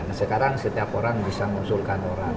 nah sekarang setiap orang bisa mengusulkan orang